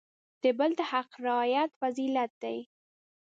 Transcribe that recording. د بل د حق رعایت فضیلت دی.